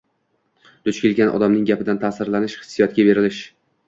duch kelgan odamning gapidan ta’sirlanish, hissiyotga berilish.